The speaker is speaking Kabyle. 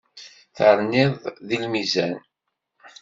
Terniḍ deg lmizan.